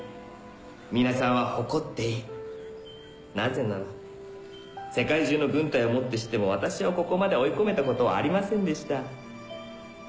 皆さんは誇っていいなぜなら世界中の軍隊をもってしても私をここまで追い込めたことはありませんでした